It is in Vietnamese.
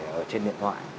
ở trên điện thoại